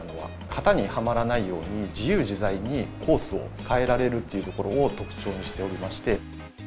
型にはまらないように自由自在にコースを変えられるというところを特徴にしておりまして。